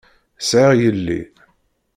Sɛiɣ yelli.